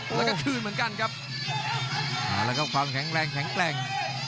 แล้วก็คืนเหมือนกันครับเอาละครับความแข็งแรงแข็งแกร่ง